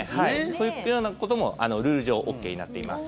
そういったようなこともルール上、ＯＫになっています。